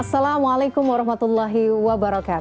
assalamualaikum wr wb